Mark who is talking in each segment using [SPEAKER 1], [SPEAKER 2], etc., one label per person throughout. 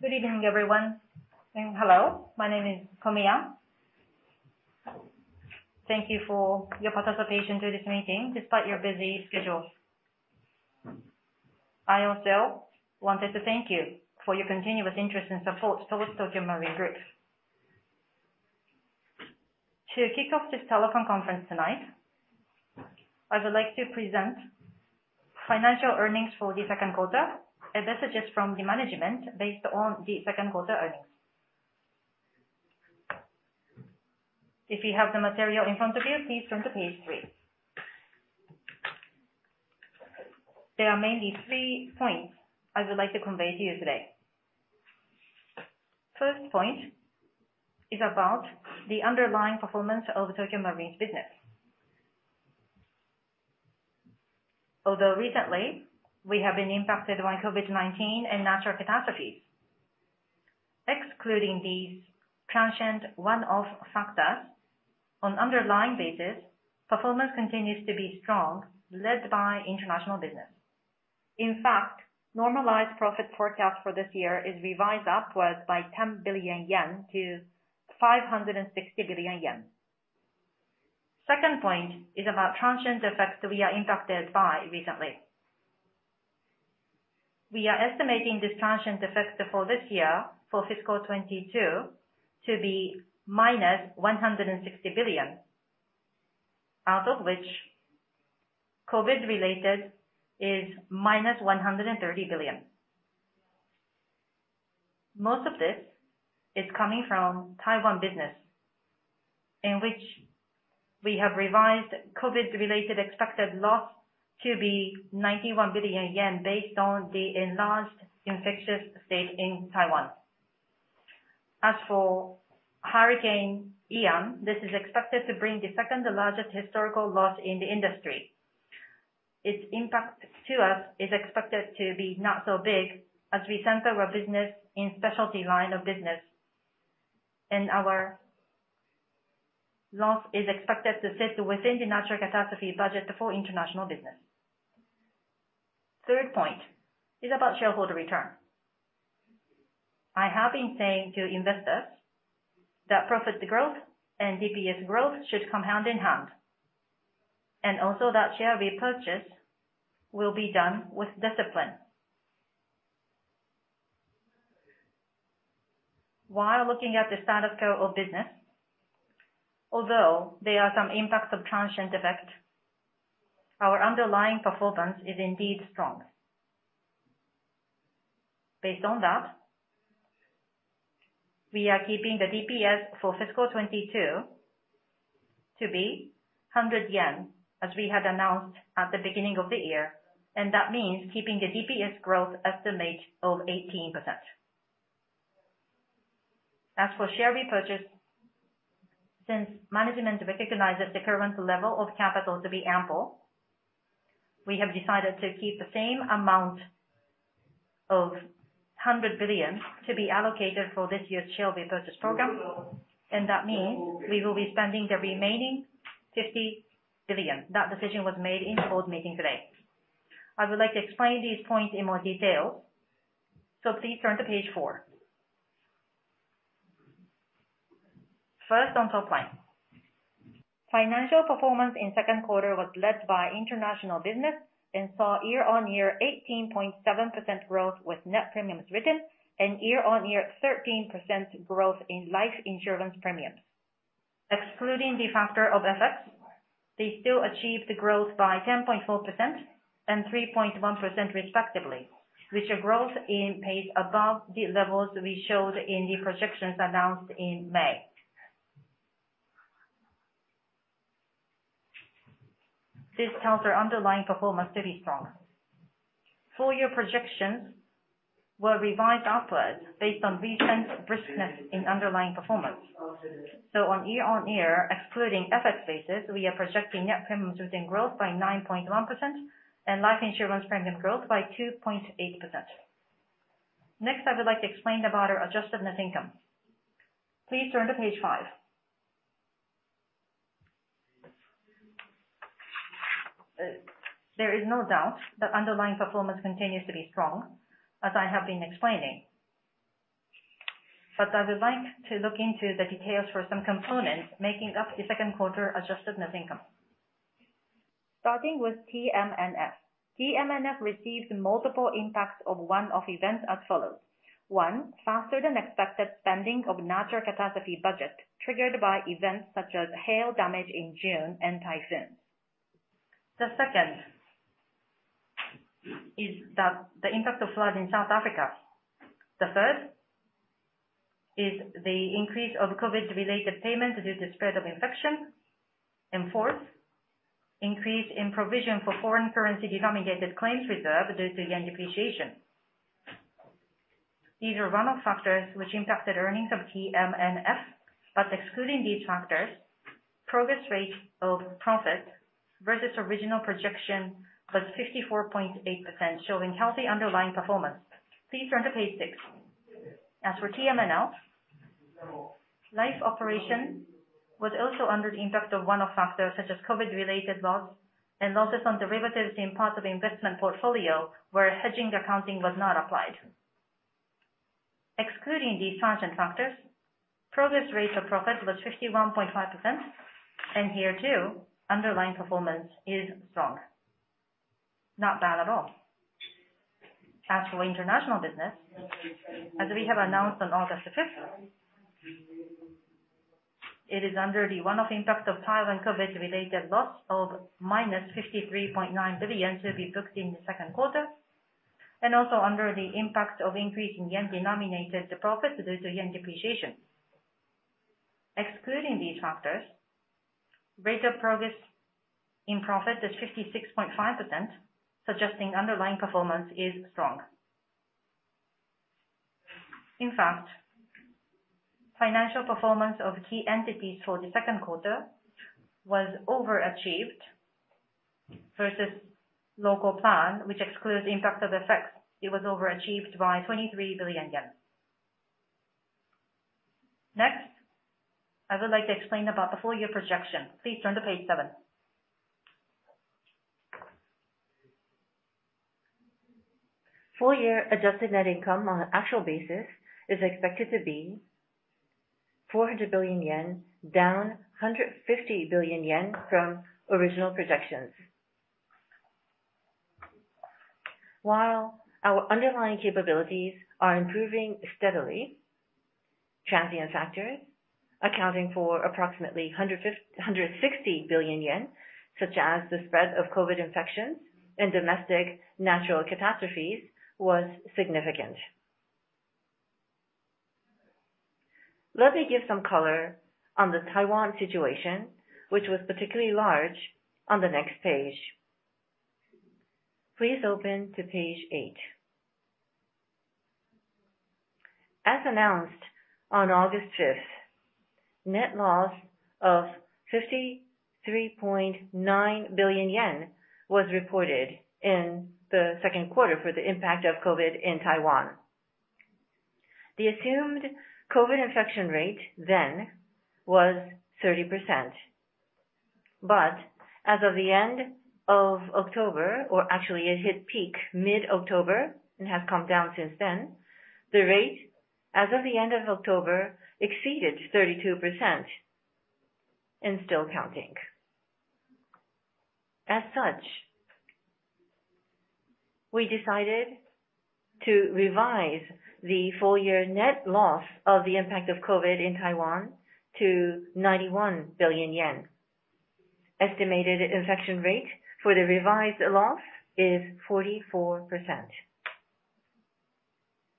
[SPEAKER 1] Good evening, everyone, and hello. My name is Komiya. Thank you for your participation to this meeting despite your busy schedules. I also wanted to thank you for your continuous interest and support towards Tokio Marine Group. To kick off this telephone conference tonight, I would like to present financial earnings for the second quarter and messages from the management based on the second quarter earnings. If you have the material in front of you, please turn to page 3. There are mainly three points I would like to convey to you today. First point is about the underlying performance of Tokio Marine's business. Although recently we have been impacted by COVID-19 and natural catastrophes, excluding these transient one-off factors, on underlying basis, performance continues to be strong, led by international business. In fact, normalized profit forecast for this year is revised upwards by 10 billion yen to 560 billion yen. Second point is about transient effects that we are impacted by recently. We are estimating this transient effect for this year, for fiscal 2022, to be -160 billion, out of which COVID-related is JPY -130 billion. Most of this is coming from Taiwan business, in which we have revised COVID-related expected loss to be 91 billion yen based on the enlarged infectious state in Taiwan. As for Hurricane Ian, this is expected to bring the second-largest historical loss in the industry. Its impact to us is expected to be not so big as we center our business in specialty line of business, and our loss is expected to sit within the natural catastrophe budget for international business. Third point is about shareholder return. I have been saying to investors that profit growth and DPS growth should come hand in hand, and also that share repurchase will be done with discipline. While looking at the status quo of business, although there are some impacts of transient effect, our underlying performance is indeed strong. Based on that, we are keeping the DPS for fiscal 2022 to be 100 yen, as we had announced at the beginning of the year, and that means keeping the DPS growth estimate of 18%. As for share repurchase, since management recognizes the current level of capital to be ample, we have decided to keep the same amount of 100 billion to be allocated for this year's share repurchase program. That means we will be spending the remaining 50 billion. That decision was made in board meeting today. I would like to explain these points in more detail, so please turn to page 4. First, on top line. Financial performance in second quarter was led by international business and saw year-on-year 18.7% growth with net premiums written and year-on-year 13% growth in life insurance premiums. Excluding the factor of effects, they still achieved growth by 10.4% and 3.1% respectively, which are growth in pace above the levels we showed in the projections announced in May. This tells our underlying performance to be strong. Full year projections were revised upwards based on recent briskness in underlying performance. On year-on-year excluding effect basis, we are projecting net premiums written growth by 9.1% and life insurance premium growth by 2.8%. Next, I would like to explain about our adjusted net income. Please turn to page 5. Uh, there is no doubt that underlying performance continues to be strong, as I have been explaining. But I would like to look into the details for some components making up the second quarter adjusted net income. Starting with TMNF. TMNF received multiple impacts of one-off events as follows. One, faster than expected spending of natural catastrophe budget triggered by events such as hail damage in June and typhoons. The second is the impact of flood in South Africa. The third is the increase of COVID-related payments due to spread of infection. And fourth, increase in provision for foreign currency denominated claims reserve due to yen depreciation. These are one-off factors which impacted earnings of TMNF, but excluding these factors, progress rate of profit versus original projection was fifty-four point eight percent, showing healthy underlying performance. Please turn to page 6. As for TMNL. Life operation was also under the impact of one-off factors such as COVID-related loss and losses on derivatives in part of investment portfolio where hedge accounting was not applied. Excluding these transient factors, progress rate of profit was 51.5%, and here too, underlying performance is strong. Not bad at all. As for international business, as we have announced on August 5th, it is under the one-off impact of Taiwan COVID-related loss of -53.9 billion to be booked in the second quarter and also under the impact of increasing yen-denominated profit due to yen depreciation. Excluding these factors, rate of progress in profit is 56.5%, suggesting underlying performance is strong. In fact, financial performance of key entities for the second quarter was overachieved versus local plan, which excludes impact of FX. It was over achieved by 23 billion yen. Next, I would like to explain about the full year projection. Please turn to page 7. Full-year adjusted net income on an actual basis is expected to be 400 billion yen, down a 150 billion yen from original projections. While our underlying capabilities are improving steadily, transient factors accounting for approximately 160 billion yen, such as the spread of COVID infections and domestic natural catastrophes, were significant. Let me give some color on the Taiwan situation, which was particularly large on the next page. Please open to page 8. As announced on August 5th, net loss of 53.9 billion yen was reported in the second quarter for the impact of COVID in Taiwan. The assumed COVID infection rate then was 30%, but as of the end of October, or actually it hit peak mid-October and has come down since then. The rate as of the end of October exceeded 32% and still counting. As such, we decided to revise the full-year net loss of the impact of COVID in Taiwan to 91 billion yen. Estimated infection rate for the revised loss is 44%.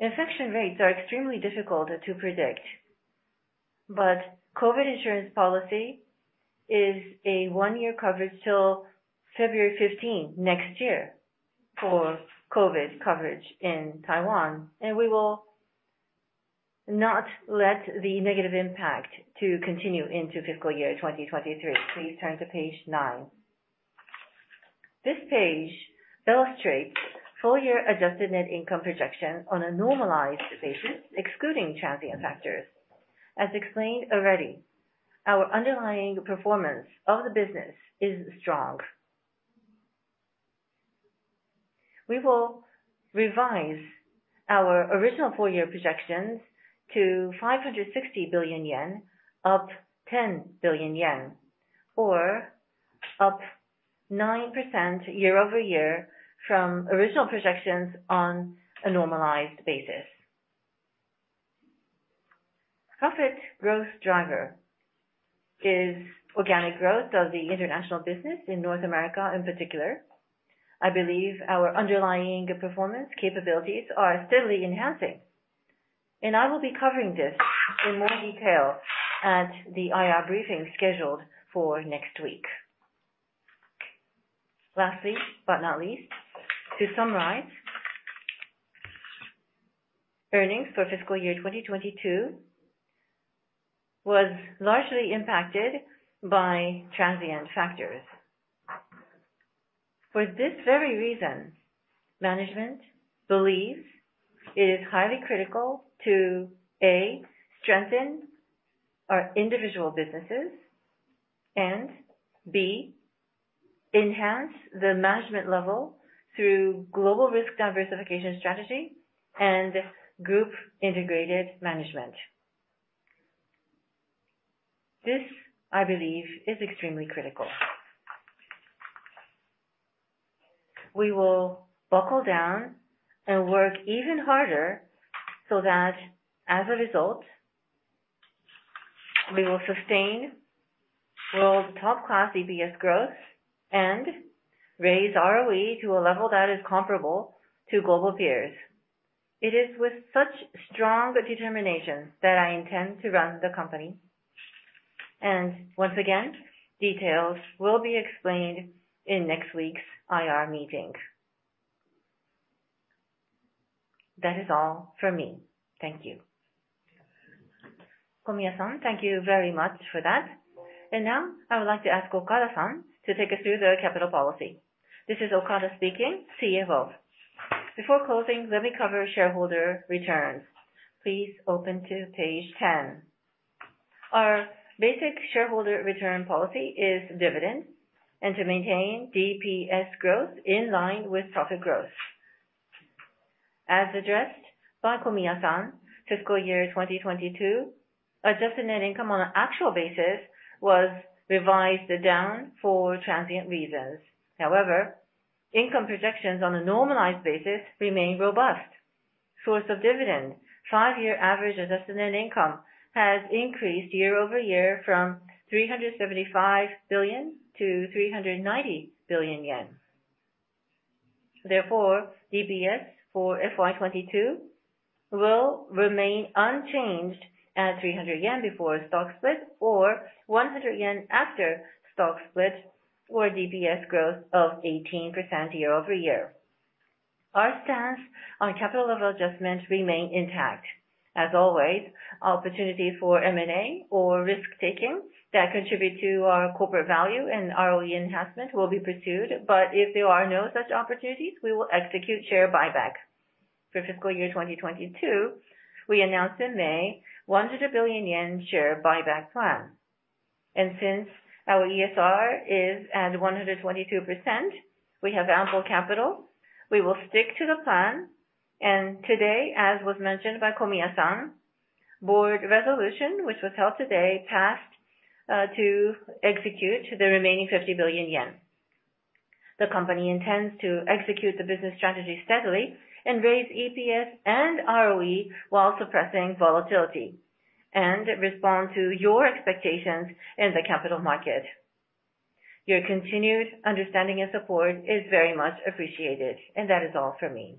[SPEAKER 1] Infection rates are extremely difficult to predict, but COVID insurance policy is a one-year coverage till February 15th next year for COVID coverage in Taiwan, and we will not let the negative impact to continue into fiscal year 2023. Please turn to page 9. This page illustrates full-year adjusted net income projection on a normalized basis, excluding transient factors. As explained already, our underlying performance of the business is strong. We will revise our original full-year projections to 560 billion yen, up 10 billion yen or up 9% year-over-year from original projections on a normalized basis. Profit growth driver is organic growth of the international business in North America in particular. I believe our underlying performance capabilities are steadily enhancing, and I will be covering this in more detail at the IR briefing scheduled for next week. Lastly, but not least, to summarize, earnings for fiscal year 2022 was largely impacted by transient factors. For this very reason, management believes it is highly critical to a, strengthen our individual businesses and b, enhance the management level through global risk diversification strategy and group integrated management. This, I believe, is extremely critical. We will buckle down and work even harder so that as a result, we will sustain world's top-class EPS growth and raise ROE to a level that is comparable to global peers. It is with such strong determination that I intend to run the company and once again, details will be explained in next week's IR meeting. That is all for me. Thank you.
[SPEAKER 2] Komiya-san, thank you very much for that. Now I would like to ask Okada-san to take us through the capital policy.
[SPEAKER 3] This is Okada speaking, CFO. Before closing, let me cover shareholder returns. Please open to page 10. Our basic shareholder return policy is dividend and to maintain DPS growth in line with profit growth. As addressed by Komiya-san, fiscal year 2022 adjusted net income on an actual basis was revised down for transient reasons. However, income projections on a normalized basis remain robust. Source of dividend, five-year average adjusted net income has increased year-over-year from JPY 375 billion-JPY 390 billion. Therefore, DPS for FY 2022 will remain unchanged at 300 yen before stock split or 100 yen after stock split, or DPS growth of 18% year-over-year. Our stance on capital level adjustments remain intact. As always, opportunity for M&A or risk-taking that contribute to our corporate value and ROE enhancement will be pursued. If there are no such opportunities, we will execute share buyback. For fiscal year 2022, we announced in May 100 billion yen share buyback plan. Since our ESR is at 122%, we have ample capital. We will stick to the plan. Today, as was mentioned by Komiya-san, board resolution, which was held today, passed to execute the remaining 50 billion yen. The company intends to execute the business strategy steadily and raise EPS and ROE while suppressing volatility and respond to your expectations in the capital market. Your continued understanding and support is very much appreciated. That is all for me.